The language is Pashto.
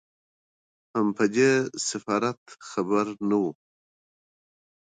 هم په دې سفارت خبر نه وو.